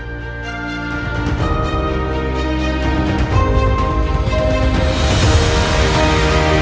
bank indonesia telah melakukan pengajian